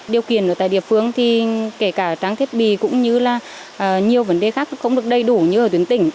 điều kiện ở tại địa phương thì kể cả trang thiết bị cũng như là nhiều vấn đề khác không được đầy đủ như ở tuyến tỉnh